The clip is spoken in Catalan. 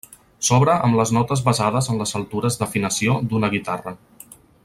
S'obre amb les notes basades en les altures d'afinació d'una guitarra.